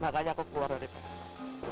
makanya aku keluar dari pesawat